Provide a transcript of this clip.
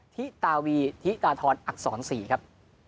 แฝดทิตาวีทิตาทรอักษรสี่ครับ